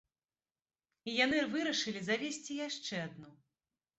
І яны вырашылі завесці яшчэ адну.